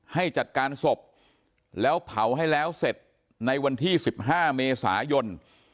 ให้จัดการศพแล้วเผาให้แล้วเสร็จในวันที่๑๕เมษายน